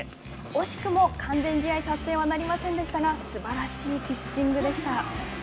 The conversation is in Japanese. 惜しくも完全試合達成はなりませんでしたがすばらしいピッチングでした。